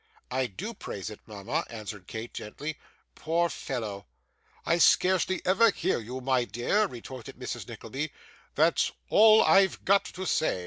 'I do praise it, mama,' answered Kate, gently. 'Poor fellow!' 'I scarcely ever hear you, my dear,' retorted Mrs. Nickleby; 'that's all I've got to say.